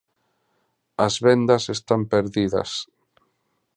As vendas están perdidas.